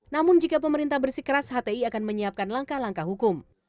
namun jika pemerintah bersikeras hti akan menyiapkan langkah langkah hukum